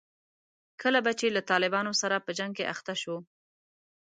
کله به چې له طالبانو سره په جنګ کې اخته شوو.